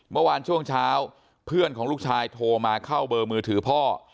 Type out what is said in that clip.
เมื่อวานช่วงเช้าเพื่อนของลูกชายโทรมาเข้าเบอร์มือถือพ่อ